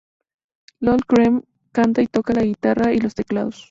Lol Creme canta y toca la guitarra y los teclados.